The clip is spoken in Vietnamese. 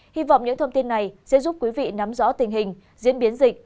hy vọng những thông tin này sẽ giúp quý vị nắm rõ tình hình diễn biến dịch